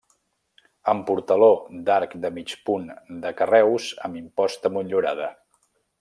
Amb portaló d'arc de mig punt de carreus amb imposta motllurada.